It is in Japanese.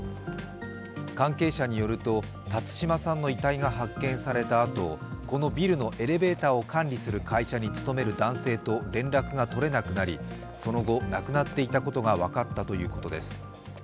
関係者によると辰島さんの遺体が発見されたあと、このビルのエレベーターを管理する会社に勤める男性と連絡が取れなくなりその後、亡くなっていたことが分かったということです。